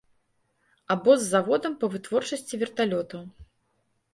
Або з заводам па вытворчасці верталётаў.